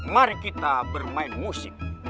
mari kita bermain musik